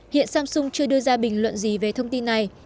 hiện samsung chưa đưa ra bình luận gì về thông tin này